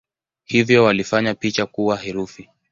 Hivyo walifanya picha kuwa herufi.